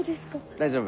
大丈夫。